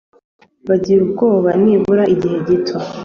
ngo bagire ubwoba nibura igihe gito